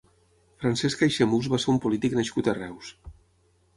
Francesc Aixemús va ser un polític nascut a Reus.